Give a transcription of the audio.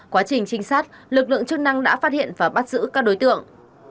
quá trình trinh sát lực lượng chức năng đã phát hiện và bắt giữ các đối tượng